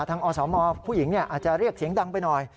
อสมผู้หญิงอาจจะเรียกเสียงดังไปหน่อย